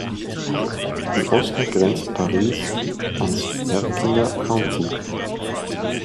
Im Osten grenzt Paris ans Herkimer County.